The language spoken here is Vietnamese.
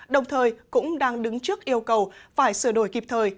đồng thời cũng đang đứng trước yêu cầu phải sửa đổi kịp thời